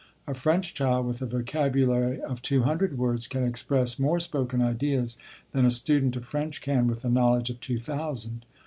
A French child with a vocabulary of two hundred words can express more spoken ideas than a student of French can with a knowledge of two thousand.